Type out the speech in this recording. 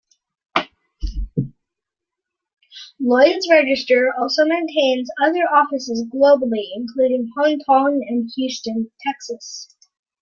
Lloyd's Register also maintains other offices globally, including Hong Kong and Houston, Texas.